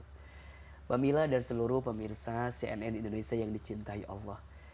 mbak mila dan seluruh pemirsa cnn indonesia yang dicintai allah